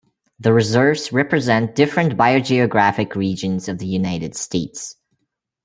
The reserves represent different biogeographic regions of the United States.